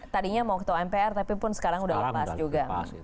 tadinya waktu mpr tapi pun sekarang sudah lepas juga